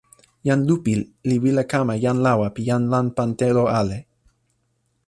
jan Lupi li wile kama jan lawa pi jan lanpan telo ale.